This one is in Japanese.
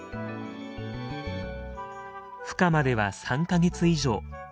ふ化までは３か月以上。